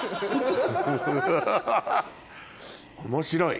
面白い。